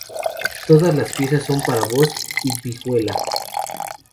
Todas las piezas son para voz y vihuela.